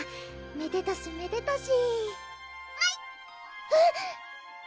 「めでたしめでたし」